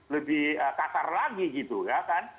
lebih kasar lagi gitu ya kan